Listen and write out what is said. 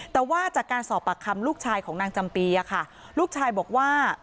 แต่ว่าจากการสอบปากคำลูกชายของนางจำปีค่ะลูกชายบอกว่า